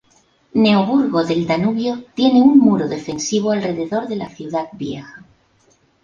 Neoburgo del Danubio tiene un muro defensivo alrededor de la ciudad vieja.